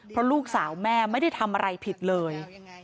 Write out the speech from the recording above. เพราะลูกสาวแม่ไม่ได้ทำอะไรผิดเลย